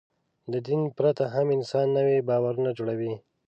د دین پرته هم انسان نوي باورونه جوړوي.